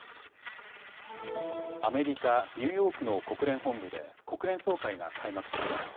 アメリカ・ニューヨークの国連本部で国連総会が開幕しました。